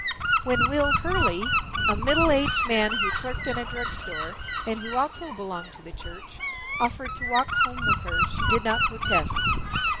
When Will Hurley, a middle aged man who clerked in a drug store and who also belonged to the church, offered to walk home with her she did not protest.